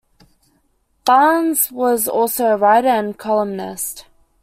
Barnes was also a writer and columnist.